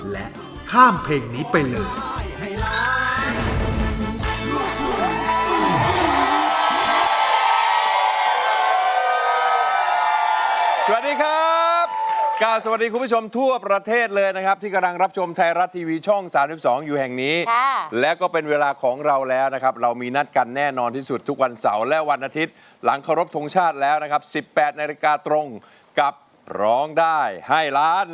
และข้ามเพลงนี้ไปเลย